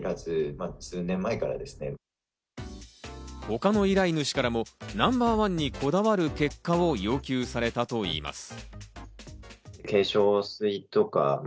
他の依頼主からもナンバーワンにこだわる結果を要求されたといいます。